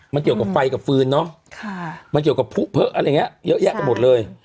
มันเกี่ยวกับไฟกับฟืนเนาะมันเกี่ยวกับผู้เผลออะไรอย่างนี้เยอะแยะไปหมดเลย